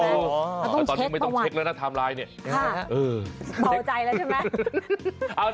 ต้องเช็คประวัติตอนนี้ไม่ต้องเช็คแล้วนะไทม์ไลน์เนี่ยบ่าวใจแล้วใช่มั้ย